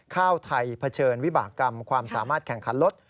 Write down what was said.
ข้าวไทยเผชิญวิบากรรมความสามารถแข่งขันลด